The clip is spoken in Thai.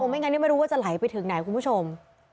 ไม่งั้นไม่รู้ว่าจะไหลไปถึงไหนคุณผู้ชม